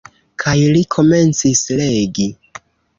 Kaj li komencis legi.